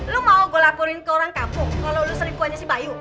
lo mau gue laporin ke orang kampung kalo lo serip ku aja si bayu